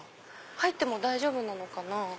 入っても大丈夫なのかな。